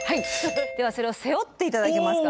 ではそれを背負って頂けますか。